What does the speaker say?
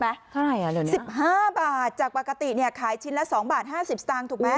เท่าไหร่อ่ะเดี๋ยวนี้๑๕บาทจากปกติเนี่ยขายชิ้นละ๒บาท๕๐สตางค์ถูกไหม